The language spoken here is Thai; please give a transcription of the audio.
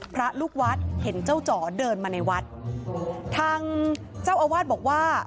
พระลูกวัดเห็นเจ้าจ๋อเดินมาในวัดทางเจ้าอาวาสบอกว่า